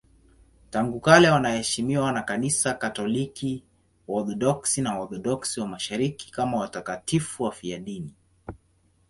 Tangu kale wanaheshimiwa na Kanisa Katoliki, Waorthodoksi na Waorthodoksi wa Mashariki kama watakatifu wafiadini.